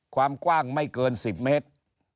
ความกว้างไม่เกิน๑๐เมตร